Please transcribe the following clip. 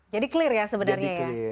jadi clear ya sebenarnya ya